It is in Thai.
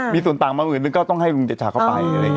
มีส่วนต่างมาหมื่นนึกออกต้องให้ลุงเดชาเข้าไป